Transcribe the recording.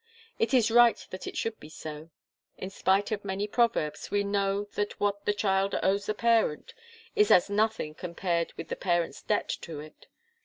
It is right that it should be so. In spite of many proverbs, we know that what the child owes the parent is as nothing compared with the parent's debt to it.